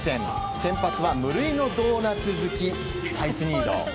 先発は無類のドーナツ好きサイスニード。